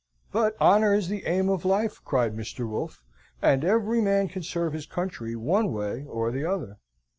But honour is the aim of life," cried Mr. Wolfe, "and every man can serve his country one way or the other.